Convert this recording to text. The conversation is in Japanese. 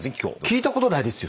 聞いたことないですよ